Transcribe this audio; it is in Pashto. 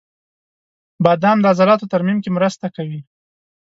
• بادام د عضلاتو ترمیم کې مرسته کوي.